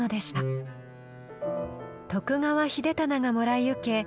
徳川秀忠がもらい受け